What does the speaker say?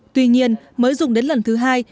tuy nhiên mới dùng đến lần thứ hai